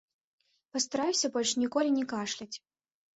Пастараюся больш ніколі не кашляць.